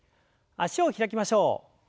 脚を開きましょう。